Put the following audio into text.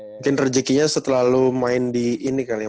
mungkin rejekinya setelah main di ini kali ya